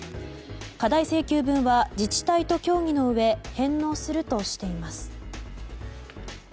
過大請求分は自治体と協議のうえ返納するとしています。